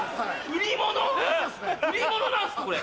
売り物なんすかこれ。